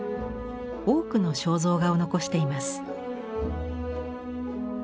多くの肖像画を残しています。